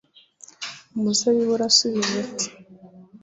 umuzabibu urasubiza uti